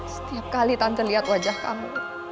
setiap kali tante lihat wajah kamu